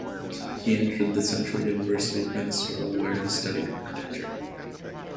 He entered the Central University of Venezuela where he studied architecture.